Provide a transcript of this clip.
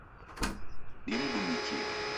Dimdumikie